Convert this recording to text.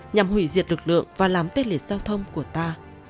nhằm hủy diệt lực lượng và làm tên liệt giao thông của ta